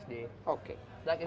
seperti yang kamu katakan